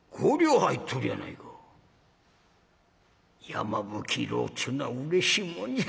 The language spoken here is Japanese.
やまぶき色っちゅうのはうれしいもんじゃ。